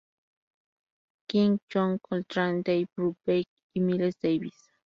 King, John Coltrane, Dave Brubeck y Miles Davis.